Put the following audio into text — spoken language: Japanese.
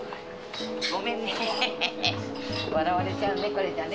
ごめんね。